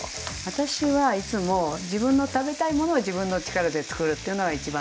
私はいつも自分の食べたいものを自分の力でつくるっていうのが一番の基本。